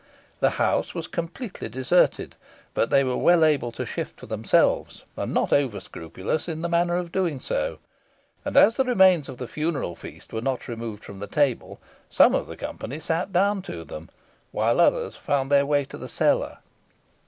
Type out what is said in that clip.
The house was completely deserted, but they were well able to shift for themselves, and not over scrupulous in the manner of doing so; and as the remains of the funeral feast were not removed from the table, some of the company sat down to them, while others found their way to the cellar.